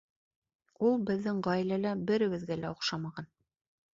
Ул беҙҙең ғаиләлә беребеҙгә лә оҡшамаған.